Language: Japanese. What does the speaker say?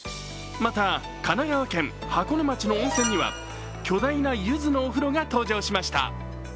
また、神奈川県箱根町の温泉には巨大なゆずのお風呂が登場しました。